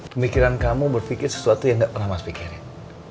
pemikiran kamu berpikir sesuatu yang gak pernah mas pikirin